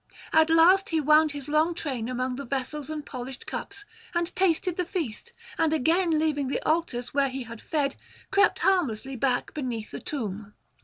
At last he wound [91 126]his long train among the vessels and polished cups, and tasted the feast, and again leaving the altars where he had fed, crept harmlessly back beneath the tomb.